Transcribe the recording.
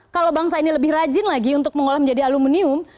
kalau bangsa ini lebih rajin lagi untuk mengolah menjadi aluminium